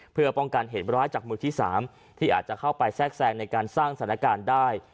เพื่อป้องกันเหตุร้ายจากมือที่๓ที่อาจจะเข้าไปแทรกแซงในการสร้างสถานการณ์ได้